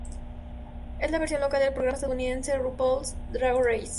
Es la versión local del programa estadounidense "RuPaul's Drag Race".